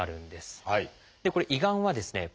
これ胃がんはですね